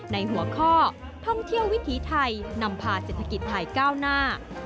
ในหัวข้อท่องเที่ยววิถีไทยนำพาเศรษฐกิจไทยก้าวหน้า